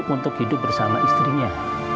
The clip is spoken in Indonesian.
untuk hidup bersama istrinya